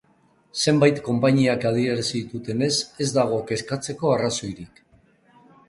Zenbait konpainiak adierazi dutenez, ez dago kezkatzeko arrazoirik.